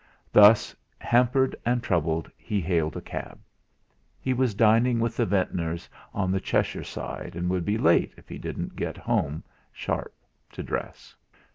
Thus, hampered and troubled, he hailed a cab. He was dining with the Ventnors on the Cheshire side, and would be late if he didn't get home sharp to dress.